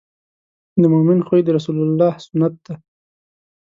د مؤمن خوی د رسول الله سنت دی.